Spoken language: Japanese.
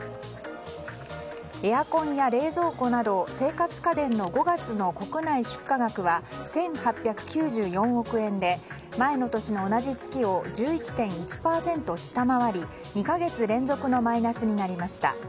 エアコンや冷蔵庫など生活家電の５月の国内出荷額は１８９４億円で前の年の同じ月を１１．１％下回り２か月連続のマイナスになりました。